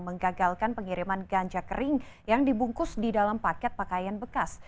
menggagalkan pengiriman ganja kering yang dibungkus di dalam paket pakaian bekas